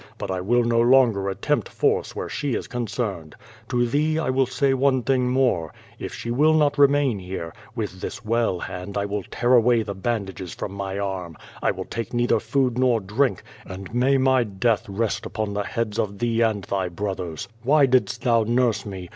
But I will no longer attempt force v/here she is ccmoorn cd. To thee I will sjiy one thing more. H she will not re main here^ with this well hand I will tear away the bandages l86 0^0 VADI8. from my arm. I will take neither food nor drink, and may my death rest upon the heads of thee and thy brothers. Why didst thou nurse me?